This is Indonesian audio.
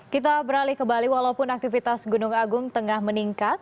kita beralih ke bali walaupun aktivitas gunung agung tengah meningkat